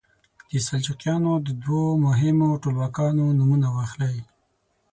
د سلجوقیانو د دوو مهمو ټولواکانو نومونه واخلئ.